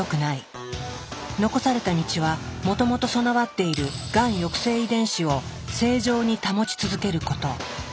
残された道はもともと備わっているがん抑制遺伝子を正常に保ち続けること。